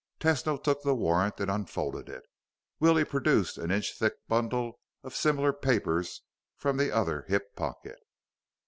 Tesno took the warrant and unfolded it. Willie produced an inch thick bundle of similar papers from the other hip pocket.